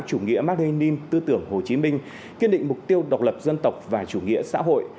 chủ nghĩa mạc đê ninh tư tưởng hồ chí minh kiên định mục tiêu độc lập dân tộc và chủ nghĩa xã hội